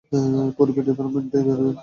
পুরো ডিপার্টমেন্টই বেরোবে।